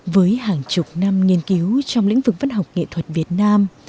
với hàng chục năm nghiên cứu trong lĩnh vực văn học nghệ thuật việt nam